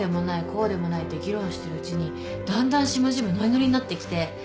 こうでもないって議論してるうちにだんだん島ジイもノリノリになってきて。